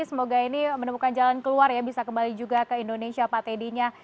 semoga ini menemukan jalan keluar ya bisa kembali juga ke indonesia pak teddy nya